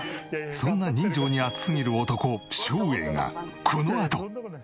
そんな人情に厚すぎる男照英がこのあと。